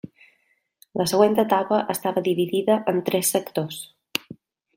La següent etapa estava dividida en tres sectors.